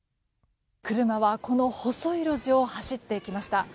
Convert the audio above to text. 車はこの細い路地を走っていきました。